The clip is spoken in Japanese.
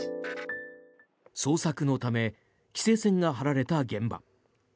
捜索のため規制線が張られた現場。